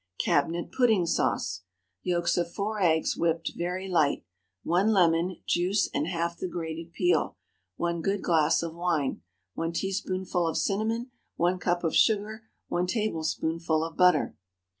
CABINET PUDDING SAUCE. ✠ Yolks of four eggs, whipped very light. 1 lemon—juice and half the grated peel. 1 good glass of wine. 1 teaspoonful of cinnamon. 1 cup of sugar. 1 tablespoonful of butter.